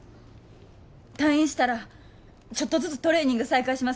退院したらちょっとずつトレーニング再開します。